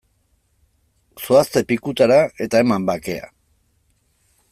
Zoazte pikutara eta eman bakea!